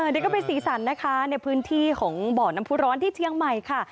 นี่ก็เป็นสีสันนะคะในพื้นที่ของบ่อน้ำผู้ร้อนที่เชียงใหม่ค่ะ